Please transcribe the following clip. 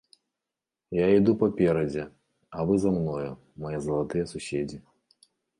Я іду паперадзе, а вы за мною, мае залатыя суседзі.